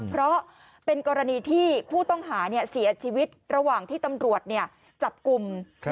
เพราะเป็นกรณีที่ผู้ต้องหาเสียชีวิตระหว่างที่ตำรวจจับกลุ่ม